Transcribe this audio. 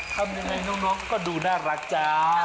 ทำยังไงน้องก็ดูน่ารักจ้า